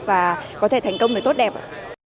và có thể thành công được tốt đẹp ạ